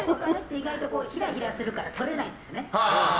意外と、ひらひらするから取れないんですね。